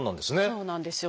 そうなんですよ。